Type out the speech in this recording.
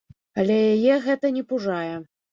Але яе гэта не пужае.